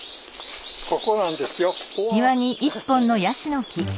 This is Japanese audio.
ここなんですよ。